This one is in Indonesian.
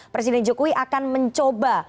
presiden jokowi akan mencoba